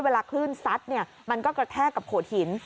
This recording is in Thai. เวลาคลื่นซัดมันก็กระแทกกับโขดหิน